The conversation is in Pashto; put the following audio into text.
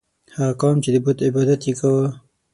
هغه قوم چې د بت عبادت یې کاوه.